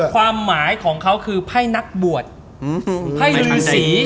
ความหมายของเขาคือไฟล์นักบวชไฟล์ลือสี